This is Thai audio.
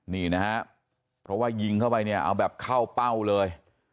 นี่นะครับเพราะว่ายิงเข้าไปเนี่ยเอาแบบเข้าเป้าเลย